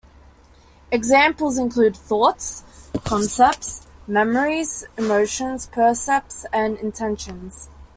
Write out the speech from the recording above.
Examples include thoughts, concepts, memories, emotions, percepts and intentions.